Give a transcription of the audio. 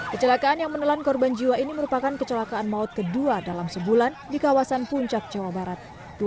kecelakaan yang menelan korban jiwa ini merupakan kecelakaan maut kedua dalam sebulan di kawasan puncak jawa barat